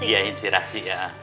iya inspirasi ya